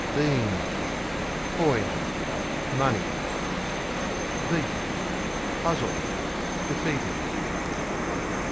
Beans Coins; money. Beat Puzzled; defeated.